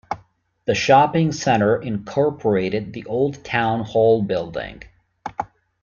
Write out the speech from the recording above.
The shopping centre incorporated the old town hall building.